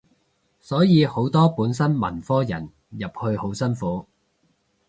所以好多本身文科人入去好辛苦